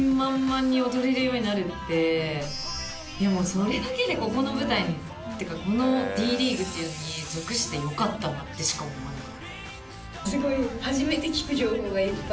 それだけでここの舞台にこのＤ．ＬＥＡＧＵＥっていうのに属してよかったなってしか思わない。